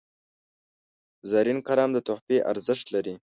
زرین قلم د تحفې ارزښت لري.